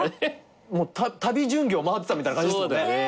旅巡業回ってたみたいな感じでしたもんね。